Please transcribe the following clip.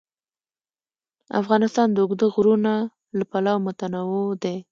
افغانستان د اوږده غرونه له پلوه متنوع دی.